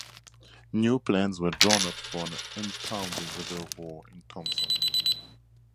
New plans were drawn up for an impounding reservoir in Thomson.